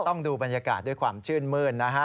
ต้องดูบรรยากาศด้วยความชื่นมื้นนะฮะ